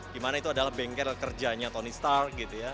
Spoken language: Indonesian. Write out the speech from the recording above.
di mana itu adalah bengkel kerjanya tony stark